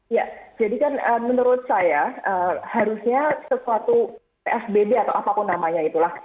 ya jadi kan menurut saya harusnya sesuatu psbb atau apapun namanya itulah